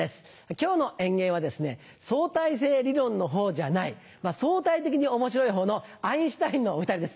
今日の演芸は相対性理論のほうじゃない相対的に面白いほうのアインシュタインのお２人です。